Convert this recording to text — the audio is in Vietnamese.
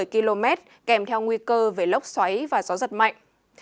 một mươi km kèm theo nguy cơ về lốc xoáy và gió giật mạnh